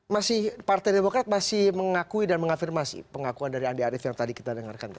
masih partai demokrat masih mengakui dan mengafirmasi pengakuan dari andi arief yang tadi kita dengarkan